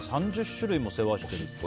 ３０種類も世話してると。